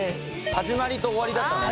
始まりと終わりだったね。